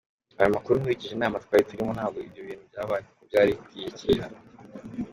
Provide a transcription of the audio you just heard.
Ayo makuru nkurikije inama twari turimo ntabwo ibyo bintu byabaye kuko byari ukwiyakira.